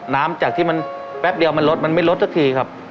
น้ำจากที่มันแป๊บเดียวมันลดมันไม่ลดสักทีครับ